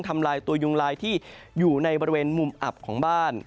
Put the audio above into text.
ทำลายตัวยุงลายที่อยู่ในบริเวณมุมอับของบ้าน